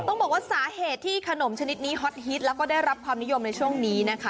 ต้องบอกว่าสาเหตุที่ขนมชนิดนี้ฮอตฮิตแล้วก็ได้รับความนิยมในช่วงนี้นะคะ